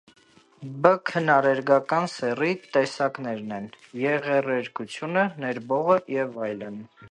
Բ. Քնարերգական սեռի տեսակներէն են՝ եղեռերգութիւնը, ներբողը եւ այլն։